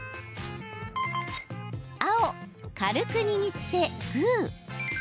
青・軽く握って、グー。